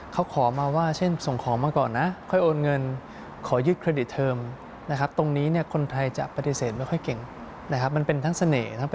เขาขอมาว่าเช่นส่งของมาก่อนนะ